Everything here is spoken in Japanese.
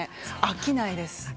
飽きないです。